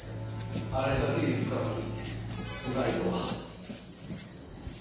あれだけ言ったのに不在とは。